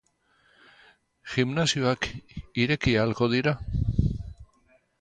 Gimnasioak ireki ahalko dira?